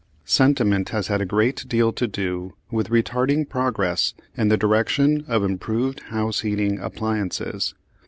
Sentiment has had a great deal to do with retarding progress in the direction of improved house heating appliances.